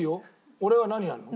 俺は何やるの？